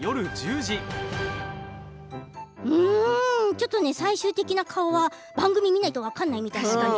ちょっと最終的な顔は番組を見ないと分からないんだけどね